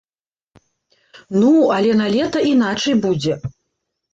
Ну, але налета іначай будзе.